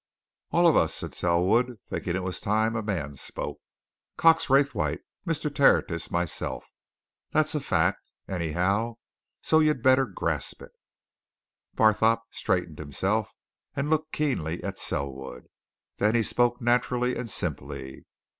"All of us," said Selwood, thinking it was time a man spoke. "Cox Raythwaite, Mr. Tertius, myself. That's a fact, anyhow, so you'd better grasp it." Barthorpe straightened himself and looked keenly at Selwood. Then he spoke naturally and simply.